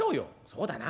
「そうだな。